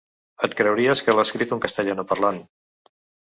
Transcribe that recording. Et creuries que l’ha escrit un castellanoparlant.